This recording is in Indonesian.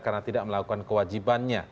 karena tidak melakukan kewajibannya